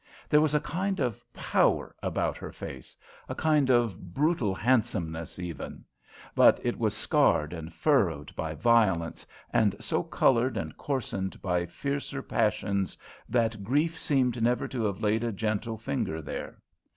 There was a kind of power about her face a kind of brutal handsomeness, even; but it was scarred and furrowed by violence, and so coloured and coarsened by fiercer passions that grief seemed never to have laid a gentle finger there.